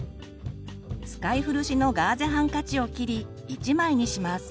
使い古しのガーゼハンカチを切り一枚にします。